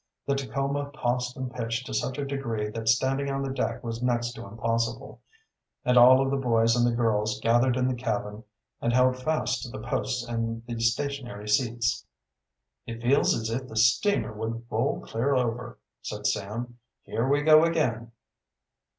The Tacoma tossed and pitched to such a degree that standing on the deck was next to impossible, and all of the boys and the girls gathered in the cabin and held fast to the posts and the stationary seats. "It feels as if the steamer would roll clear over," said Sam. "Here we go again!"